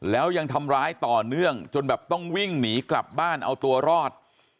แล้วยังทำร้ายต่อเนื่องจนแบบต้องวิ่งหนีกลับบ้านเอาตัวรอด